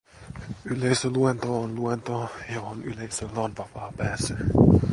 Yleisöluento on luento, johon yleisöllä on vapaa pääsy